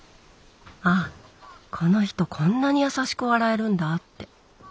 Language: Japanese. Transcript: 「あこの人こんなに優しく笑えるんだ」って。